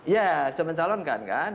ya bisa mencalonkan kan